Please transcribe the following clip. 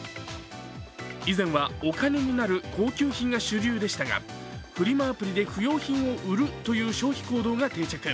以前はお金になる高級品が主流でしたが、フリマアプリで不要品を売るという消費行動が定着。